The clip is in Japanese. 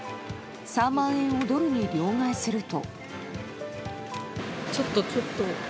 ３万円をドルに両替すると。